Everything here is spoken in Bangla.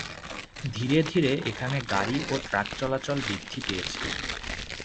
ধীরে ধীরে এখানে গাড়ি ও ট্রাক চলাচল বৃদ্ধি পেয়েছে।